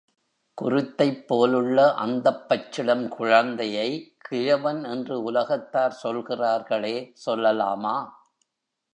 குருத்தைப் போலுள்ள அந்தப் பச்சிளம் குழந்தையை கிழவன் என்று உலகத்தார் சொல்கிறார்களே சொல்லலாமா?